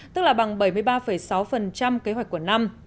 tức là bằng bảy mươi ba sáu kế hoạch của năm